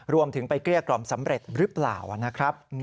รวมถึงไปเกลี้ยกล่อมสำเร็จหรือเปล่านะครับ